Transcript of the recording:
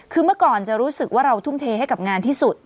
คือเมื่อก่อนจะรู้สึกว่าเราทุ่มเทให้กับงานที่สุด